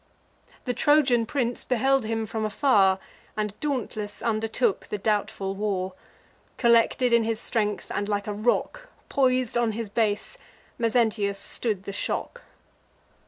The Trojan prince beheld him from afar, And dauntless undertook the doubtful war. Collected in his strength, and like a rock, Pois'd on his base, Mezentius stood the shock.